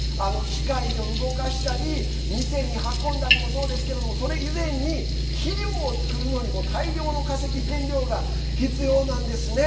機械を動かしたり店に運んだりもそうですけれどもそれ以前に肥料を作るのにも大量の化石燃料が必要なんですね。